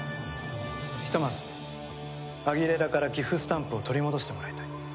ひとまずアギレラからギフスタンプを取り戻してもらいたい。